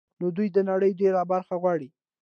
نو دوی د نړۍ ډېره برخه غواړي